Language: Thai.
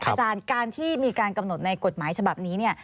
อาจารย์การที่มีการกำหนดในกฎหมายฉบับนี้เนี่ย